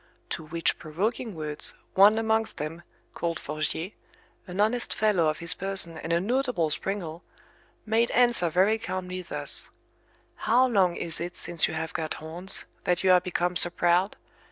To which provoking words, one amongst them, called Forgier, an honest fellow of his person and a notable springal, made answer very calmly thus: How long is it since you have got horns, that you are become so proud?